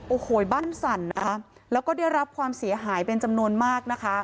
โอ้โหบ้านสั่นนะคะแล้วก็ได้รับความเสียหายเป็นจำนวนมากนะคะ